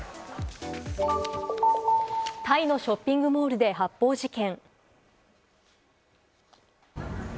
タイのショッピングモールで発砲事件。